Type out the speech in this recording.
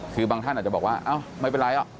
คือบางท่านอาจจะบอกว่าอ้าวไม่เป็นไร